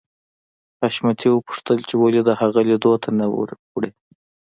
حشمتي وپوښتل چې ولې د هغه لیدو ته نه ورې